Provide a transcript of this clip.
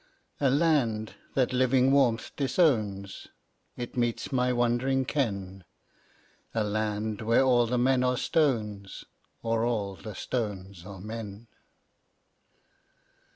A land that living warmth disowns, It meets my wondering ken; A land where all the men are stones, Or all the stones are men.